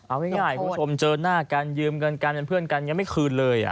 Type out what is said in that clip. เอาง่ายคุณผู้ชมเจอหน้ากันยืมเงินกันเป็นเพื่อนกันยังไม่คืนเลย